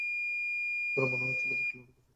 তার মনে হচ্ছিল বোতলে অন্য কিছু রয়েছে।